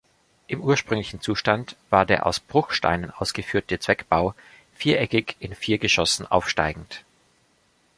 Im ursprünglichen Zustand war der aus Bruchsteinen ausgeführte Zweckbau viereckig in vier Geschossen aufsteigend.